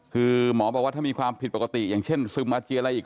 คือหมอบอกว่าถ้ามีความผิดปกติอย่างเช่นซึมอาเจียนอะไรอีก